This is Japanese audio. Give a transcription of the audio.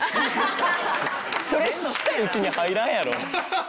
それしたうちに入らんやろ。